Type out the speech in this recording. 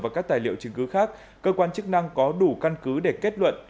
và các tài liệu chứng cứ khác cơ quan chức năng có đủ căn cứ để kết luận